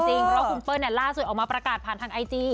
เพราะว่าคุณเปิ้ลล่าสุดออกมาประกาศผ่านทางไอจี